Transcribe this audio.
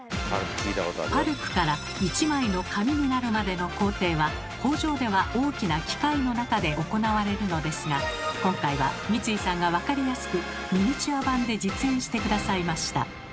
パルプから一枚の紙になるまでの工程は工場では大きな機械の中で行われるのですが今回は三井さんがわかりやすくミニチュア版で実演して下さいました。